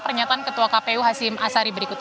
pernyataan ketua kpu hasil masyari berikut ini